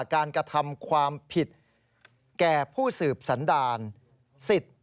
กระทำความผิดแก่ผู้สืบสันดาลสิทธิ์